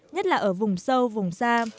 nhất là ở vùng sâu vùng xa